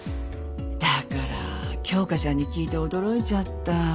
だから京花ちゃんに聞いて驚いちゃった。